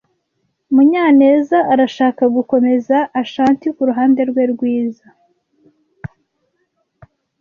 Munyanez arashaka gukomeza Ashanti kuruhande rwe rwiza.